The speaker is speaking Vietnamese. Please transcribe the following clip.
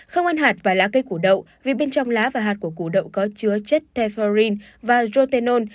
không ăn hạt và lá cây củ đậu vì bên trong lá và hạt của củ đậu có chứa chất tefforrin và roteol